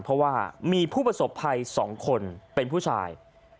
เพราะว่ามีผู้ประสบภัย๒คนเป็นผู้ชาย